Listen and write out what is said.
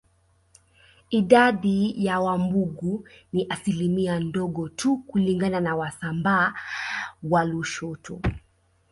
Idadi ya Wambugu ni asilimia ndogo tu kulingana na Wasambaa wa Lushoto